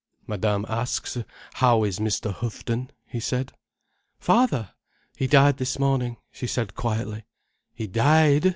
"Madame asks how is Mr. Houghton," he said. "Father! He died this morning," she said quietly. "He died!"